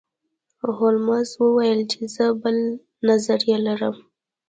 هولمز وویل چې زه بله نظریه لرم.